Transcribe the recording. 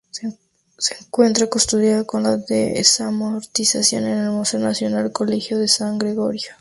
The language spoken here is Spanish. Se encuentra custodiado, con la desamortización, en el Museo Nacional Colegio de San Gregorio.